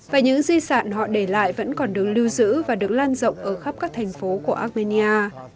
và những di sản họ để lại vẫn còn được lưu giữ và được lan rộng ở khắp các thành phố của armenia